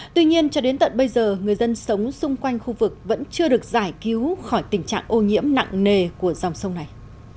tuy nhiên cho đến tận bây giờ người dân sống xung quanh khu vực vẫn chưa được giải cứu khỏi tình trạng ô nhiễm nặng nề của dòng sông này